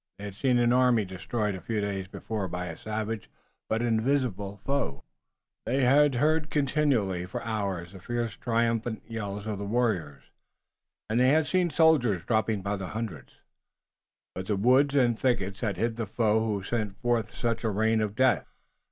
They had seen an army destroyed a few days before by a savage but invisible foe. They had heard continually for hours the fierce triumphant yells of the warriors and they had seen the soldiers dropping by hundreds, but the woods and thickets had hid the foe who sent forth such a rain of death.